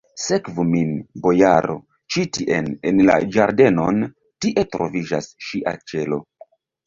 Sekvu min, bojaro, ĉi tien, en la ĝardenon: tie troviĝas ŝia ĉelo.